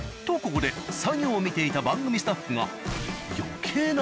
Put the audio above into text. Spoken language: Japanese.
とここで作業を見ていた番組スタッフが。